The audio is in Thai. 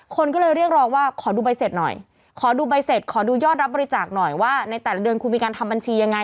คนก็เลยเรียกร้องว่าขอดูใบเสร็จหน่อยขอดูใบเสร็จขอดูยอดรับบริจาคหน่อยว่าในแต่ละเดือนคุณมีการทำบัญชียังไง